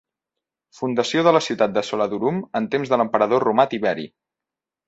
Fundació de la ciutat de "Salodurum"en temps de l'emperador romà Tiberi.